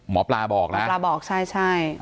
การแก้เคล็ดบางอย่างแค่นั้นเอง